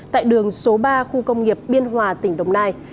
tại đường số ba khu công nghiệp biên hòa tỉnh đồng nai